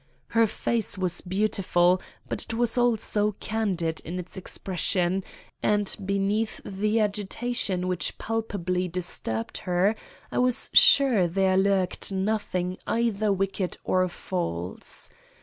Her face was beautiful, but it was also candid in its expression, and beneath the agitation which palpably disturbed her, I was sure there lurked nothing either wicked or false.